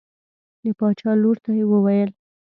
د باچا لور ته یې وویل.